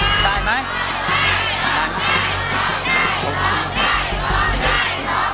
ได้ร้องได้ร้องได้ร้องได้ร้องได้